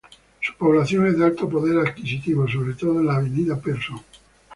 Su población es de alto poder adquisitivo, sobre todo en la avenida Pearson.